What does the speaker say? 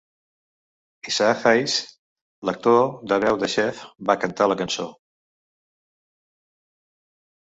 Isaac Hayes, l'actor de veu de Xef, va cantar la cançó.